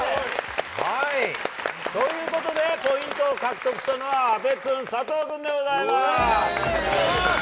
ということでポイントを獲得したのは阿部君、佐藤君でございます！